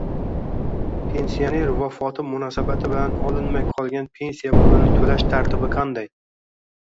Pensioner vafoti munosabati bilan olinmay qolgan pensiya pulini to‘lash tartibi qanday?